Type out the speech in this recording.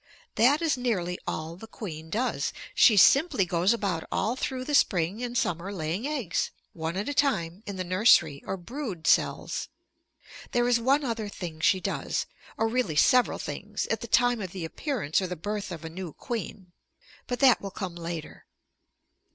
That is nearly all the queen does; she simply goes about all through the spring and summer laying eggs, one at a time, in the nursery or brood cells. There is one other thing she does, or really several things, at the time of the appearance or the birth of a new queen. But that will come later.